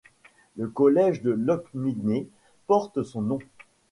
Le collège de Locminé porte son nom.